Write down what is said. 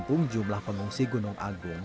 lalu kita melihatapa pengungsi tersebar dicium